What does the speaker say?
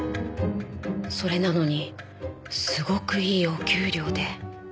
それなのにすごくいいお給料で。